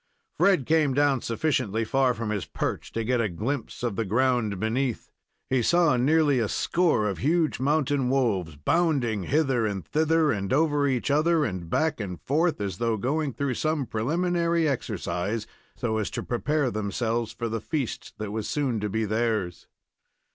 Fred came down sufficiently far from his perch to get a glimpse of the ground beneath. He saw nearly a score of huge mountain wolves, bounding hither and thither, and over each other, and back and forth, as though going through some preliminary exercise, so as to prepare themselves for the feast that was soon to be theirs.